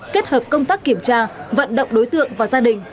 kết hợp công tác kiểm tra vận động đối tượng và gia đình